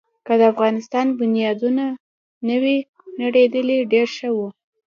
که د افغانستان بنیادونه نه وی نړېدلي، ډېر ښه وو.